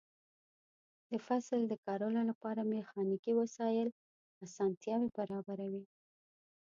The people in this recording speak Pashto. د فصل د کرلو لپاره میخانیکي وسایل اسانتیاوې برابروي.